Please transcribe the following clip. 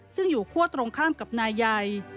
ซึ่งอยู่คั่วตรงข้ามกับนายใหญ่